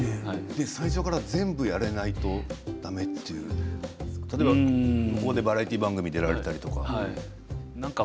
最初から全部やらないとだめという向こうでバラエティー番組に出られたりとか。